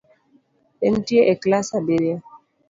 Entie e klas abirio